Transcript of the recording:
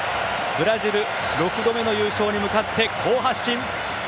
ブラジル６度目の優勝に向かって好発進。